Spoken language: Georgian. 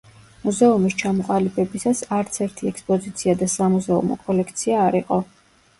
მუზეუმის ჩამოყალიბებისას არც ერთი ექსპოზიცია და სამუზეუმო კოლექცია არ იყო.